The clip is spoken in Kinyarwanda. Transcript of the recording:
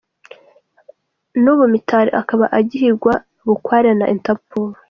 n’ubu Mitali, akaba agihigwa bukware na interpol.